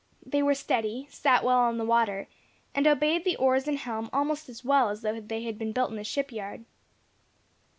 They were steady, sat well on the water, and obeyed the oars and helm almost as well as though they had been built in a shipyard.